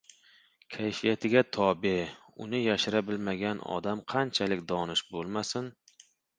Kayfiyatiga tobe, uni yashira bilmagan odam qanchalik donish bo‘lmasin